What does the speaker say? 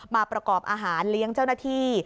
มาประกอบอาหารเลี้ยงเจ้าหน้าที่